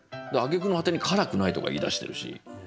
あげくの果てに「辛くない」とか言いだしてるし。